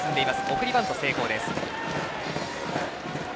送りバント、成功です。